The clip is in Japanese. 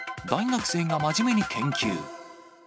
大学生が真面目に研究。